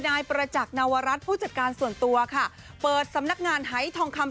นายประจักษ์นวรัฐผู้จัดการส่วนตัวค่ะเปิดสำนักงานไฮทองคำ